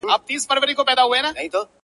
• دوه یاران سره ملګري له کلونو,